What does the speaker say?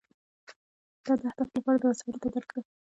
دا د اهدافو لپاره د وسایلو تدارک دی.